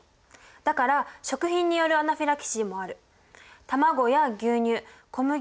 だから食品によるアナフィラキシーもある。